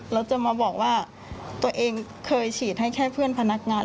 แล้วจะมาบอกว่าตัวเองเคยฉีดให้แค่เพื่อนพนักงาน